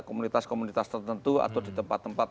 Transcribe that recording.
komunitas komunitas tertentu atau di tempat tempat